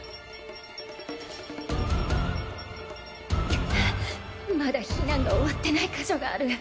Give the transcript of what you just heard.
くっまだ避難が終わってない箇所がある。